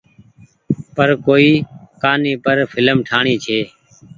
پر ڪوئي ڪهآني پر ڦلم ٺآڻي ڇي۔